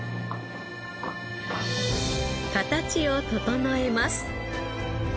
形を整えます。